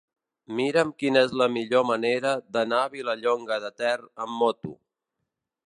Mira'm quina és la millor manera d'anar a Vilallonga de Ter amb moto.